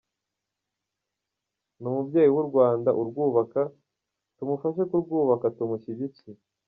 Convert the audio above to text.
Ni umubyeyi w’u Rwanda urwubaka, tumufashe kurwubaka tumushyigikire.